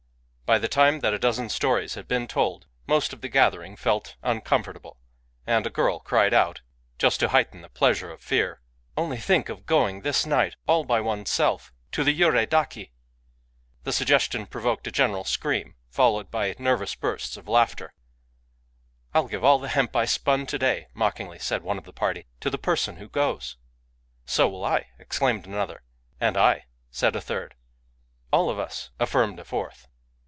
By the time that a dozen stories had been told, most of the gath ering felt uncomfortable; and a girl cried out, just to 3 Digitized byVnOOQlC 4 THE LEGEND OF YUREI DAKI heighten the pleasure of fear, " Only think of going this night, all by one's self, to the Yurei Daki !" The suggestion provoked a general scream, fol lowed by nervous bursts of laughter. ... "Til give all the hemp I spun to day," mockingly said one of the party, " to the person who goes !" So will I," exclaimed another. " And I,", said a third. " All of us," affirmed a fourth.